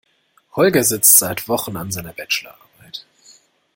Holger sitzt seit Wochen an seiner Bachelor Arbeit.